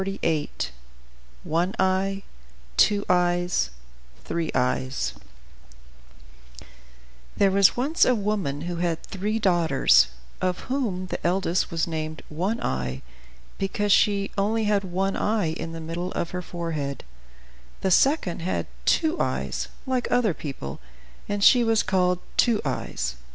ONE EYE, TWO EYES, THREE EYES BY WILHELM AND JAKOB GRIMM There was once a woman who had three daughters, of whom the eldest was named "One Eye," because she had only one eye in the middle of her forehead. The second had two eyes, like other people, and she was called "Two Eyes."